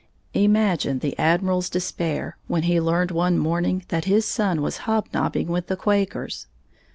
Imagine the Admiral's despair when he learned one morning that his son was hobnobbing with the Quakers!